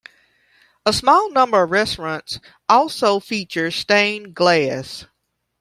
A small number of restaurants also feature stained glass.